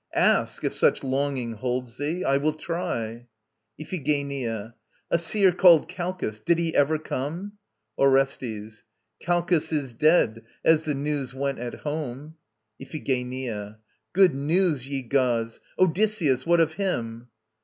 Ask, if such longing holds thee. I will try. IPHIGENIA. A seer called Calchas! Did he ever come ...? ORESTES. Calchas is dead, as the news went at home. IPHIGENIA. Good news, ye gods! Odysseus, what of him?